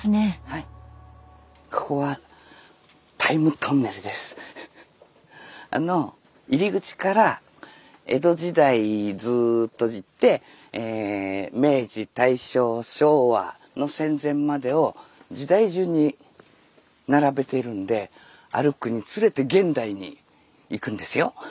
ここはあの入り口から江戸時代ずっと行って明治・大正・昭和の戦前までを時代順に並べているんで歩くにつれて現代に行くんですよ。